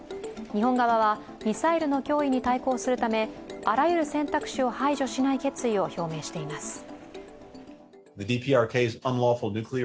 日本側はミサイルの脅威に対抗するためあらゆる選択肢を排除しない決意を表明しています。